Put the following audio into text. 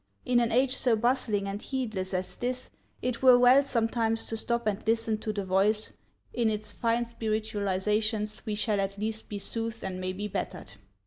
In an age so bustling and heedless as this, it were well sometimes to stop and listen to the voice In its fine spiritualizations we shall at least be soothed and may be bettered.